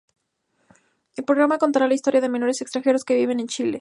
El programa contará la historia de menores extranjeros que viven en Chile.